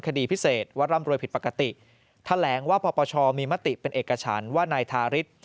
คดีพิเศษว่าร่ำรวยผิดปกติแถลงว่าปปชมีมติเป็นเอกฉันว่านายทาริส